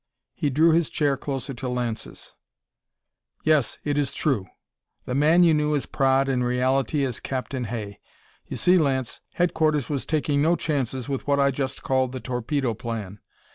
He drew his chair closer to Lance's. "Yes, it's true. The man you knew as Praed in reality is Captain Hay. You see, Lance, headquarters was taking no chances with what I just called the Torpedo Plan.